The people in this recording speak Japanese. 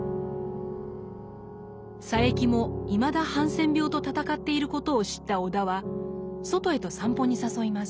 佐柄木もいまだハンセン病と闘っていることを知った尾田は外へと散歩に誘います。